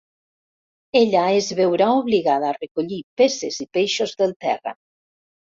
Ella es veurà obligada a recollir peces i peixos del terra.